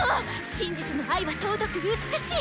真実の愛は尊く美しい！